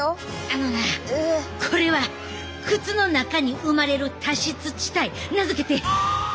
あのなこれは靴の中に生まれる多湿地帯名付けて足アマゾンや！